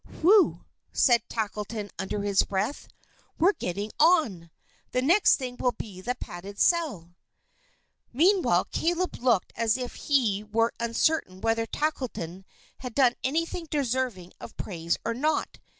"Whew!" said Tackleton under his breath, "we're getting on! The next thing will be the padded cell." Meanwhile Caleb looked as if he were uncertain whether Tackleton had done anything deserving of praise or not.